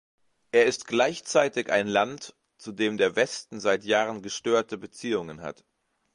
Er ist gleichzeitig ein Land, zu dem der Westen seit Jahren gestörte Beziehungen hat.